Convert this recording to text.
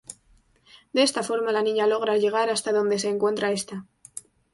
De esta forma, la niña logra llegar hasta donde se encuentra esta.